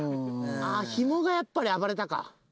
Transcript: ひもがやっぱり暴れたか。